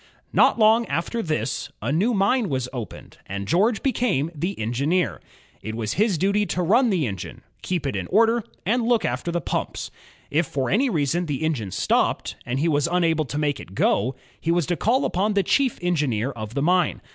Not long after this, a new mine was opened, and George became the engineer. It was his duty to nm the engine, keep it in order, and look after the pumps. If for any reason the engine stopped, and he was imable to make it go, he was to call upon the chief engineer of the mine.